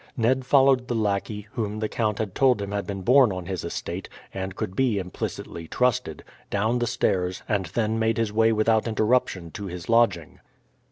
Ned followed the lackey, whom the count had told him had been born on his estate, and could be implicitly trusted, down the stairs, and then made his way without interruption to his lodging.